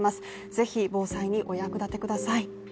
ぜひ防災にお役立てください。